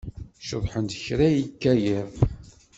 Ceḍḥent kra yekka yiḍ.